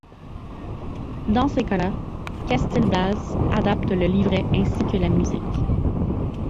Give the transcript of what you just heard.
Dans ces cas-là, Castil-Blaze adapte le livret ainsi que la musique.